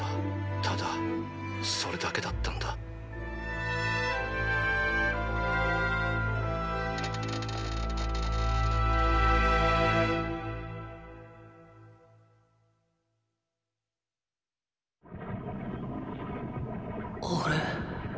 ただそれだけだったんだあれ？